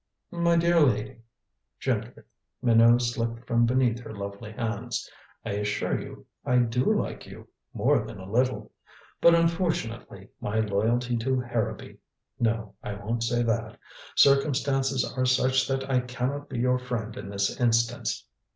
"My dear lady" gently Minot slipped from beneath her lovely hands "I assure you I do like you more than a little. But unfortunately my loyalty to Harrowby no, I won't say that circumstances are such that I can not be your friend in this instance.